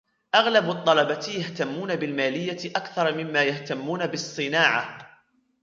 أغلب الطلبة يهتمون بالمالية أكثر مما يهتمون بالصناعة.